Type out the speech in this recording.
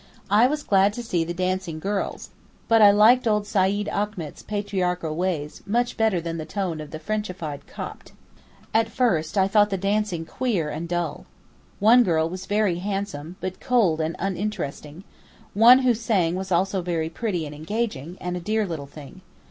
I was glad to see the dancing girls, but I liked old Seyyid Achmet's patriarchal ways much better than the tone of the Frenchified Copt. At first I thought the dancing queer and dull. One girl was very handsome, but cold and uninteresting; one who sang was also very pretty and engaging, and a dear little thing.